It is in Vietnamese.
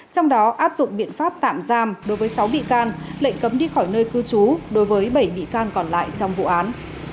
trong đó áp dụng biện pháp tạm giam đối với sáu bị can lệnh cấm đi khỏi nơi cư trú đối với bảy bị can còn lại trong vụ án